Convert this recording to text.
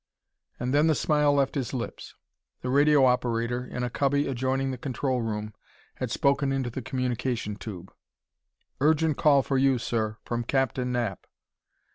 And then the smile left his lips. The radio operator, in a cubby adjoining the control room, had spoken into the communication tube: "Urgent call for you, sir! From Captain Knapp!"